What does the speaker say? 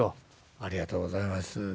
「ありがとうございます」。